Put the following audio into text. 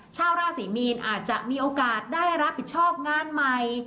ชาวราศรีมีนอาจจะมีโอกาสได้รับผิดชอบงานใหม่